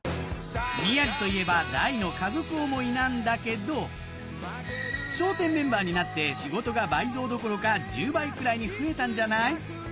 宮治といえばなんだけど笑点メンバーになって仕事が倍増どころか１０倍くらいに増えたんじゃない？